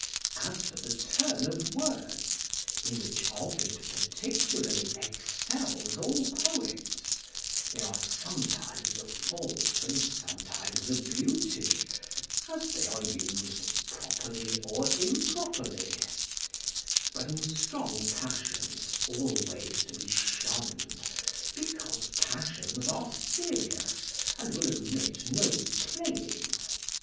As for the turn of words, in which Ovid particularly excels all poets, they are sometimes a fault, and sometimes a beauty, as they are us'd properly or improperly; but in strong passions always to be shunn'd, because passions are serious, and will admit no playing.